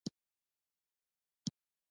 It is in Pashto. د یو بشپړ نظم په هر بیت کې د یو سېلاب زیاتوالی.